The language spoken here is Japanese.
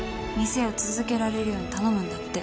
店を続けられるように頼むんだって。